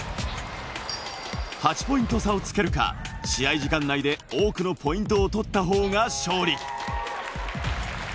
８ポイント差をつけるか、試合時間内で多くのポイント取ったほうが勝利。